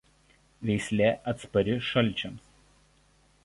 Veislė atspari šalčiams.